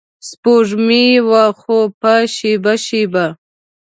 سپوږمۍ وه خو په شیبه شیبه